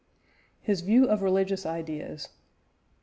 HIS VIEW OF RELIGIOUS IDEAS.